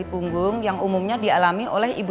ini juga mampu meredakan nyeri otot panggul